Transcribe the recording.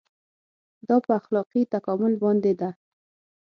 دا په اخلاقي تکامل باندې ده.